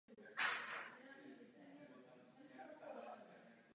Poté přesídlili do Lipska.